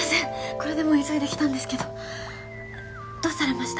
これでも急いで来たんですけどどうされました？